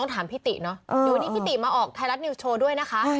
ดูวันนี้พี่ติมาออกไทยรัสนิวส์โชว์ด้วยนะคะ